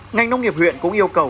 ngành nông nghiệp huyện cũng yêu cầu